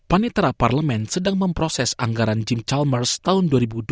panitera parlemen sedang memproses anggaran jim chalmers tahun dua ribu dua puluh empat dua ribu dua puluh lima